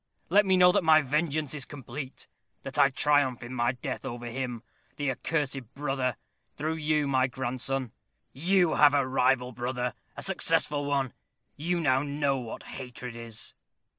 Let me know that my vengeance is complete, that I triumph in my death over him, the accursed brother, through you, my grandson. You have a rival brother a successful one; you know now what hatred is."